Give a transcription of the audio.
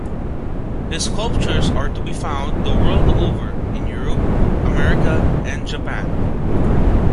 His sculptures are to be found the world over, in Europe, America and Japan.